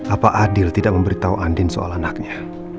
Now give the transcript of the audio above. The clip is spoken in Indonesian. apa adil tidak memberitahu andin soal anaknya